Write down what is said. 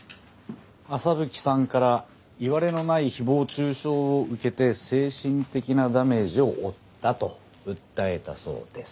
麻吹さんからいわれのない誹謗中傷を受けて精神的なダメージを負ったと訴えたそうです。